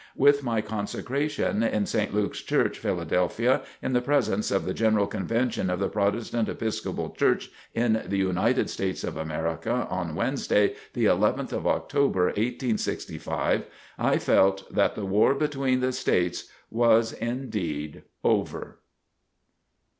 With my consecration in St. Luke's Church, Philadelphia, in the presence of the General Convention of the Protestant Episcopal Church in the United States of America, on Wednesday, the 11th of October, 1865, I felt that the war between the states was indeed over.